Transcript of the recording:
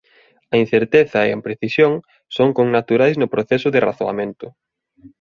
A incerteza e a imprecisión son connaturais no proceso de razoamento.